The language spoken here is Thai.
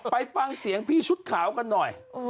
ไปฟังเสียงพี่ชุดขาวกันหน่อย